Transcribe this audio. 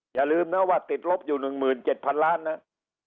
อย่าลืมนะว่าติดลบอยู่๑๗๐๐ล้านนะ